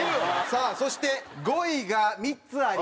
さあそして５位が３つあります。